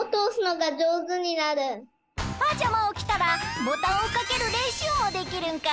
パジャマをきたらボタンをかけるれんしゅうもできるんか。